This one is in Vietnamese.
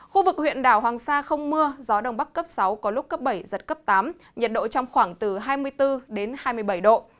khu vực huyện đảo hoàng sa không mưa gió đông bắc cấp sáu có lúc cấp bảy giật cấp tám nhiệt độ trong khoảng từ hai mươi bốn hai mươi bảy độ